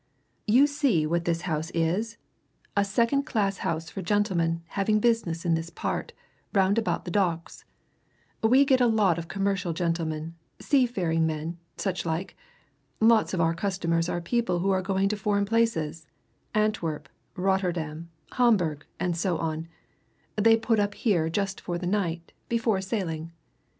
"You see what this house is? a second class house for gentlemen having business in this part, round about the Docks. We get a lot of commercial gentlemen, sea faring men, such like. Lots of our customers are people who are going to foreign places Antwerp, Rotterdam, Hamburg, and so on they put up here just for the night, before sailing.